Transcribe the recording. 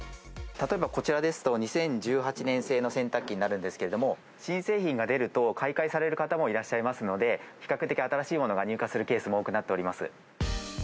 例えばこちらですと、２０１８年製の洗濯機になるんですけれども、新製品が出ると買い替えされる方もいらっしゃいますので、比較的新しいものが入荷するケースも多くなっております。